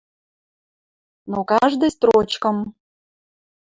Но каждый строчкым